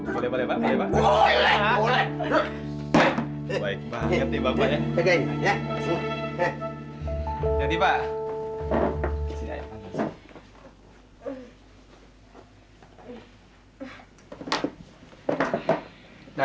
boleh boleh pak boleh pak